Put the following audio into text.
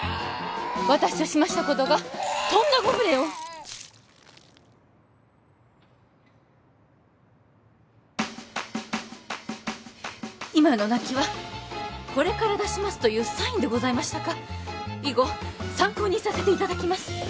私としましたことがとんだご無礼を今の泣きはこれから出しますというサインでございましたか以後参考にさせていただきます